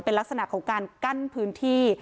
เป็นลักษณะของการกั้นพื้นที่